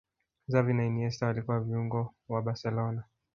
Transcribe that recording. Xavi na Iniesta walikuwa viungo wa barcelona